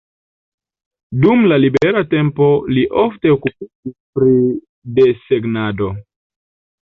Dum la libera tempo li ofte okupiĝis pri desegnado.